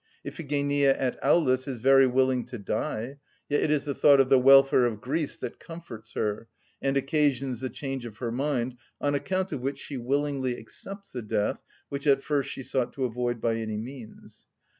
Iphigenia at Aulis is very willing to die; yet it is the thought of the welfare of Greece that comforts her, and occasions the change of her mind, on account of which she willingly accepts the death which at first she sought to avoid by any means.